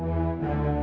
aku mau kemana